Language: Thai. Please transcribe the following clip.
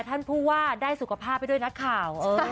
ท่านผู้ว่าได้สุขภาพไปด้วยนักข่าว